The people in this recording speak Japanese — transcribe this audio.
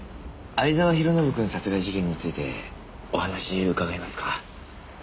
藍沢弘信くん殺害事件についてお話伺えますか？